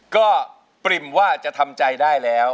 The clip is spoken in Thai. ก็ปริ่มว่าจะทำใจได้แล้ว